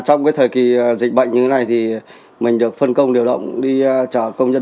trong cái thời kỳ dịch bệnh như thế này thì mình được phân công điều động đi chờ công nhân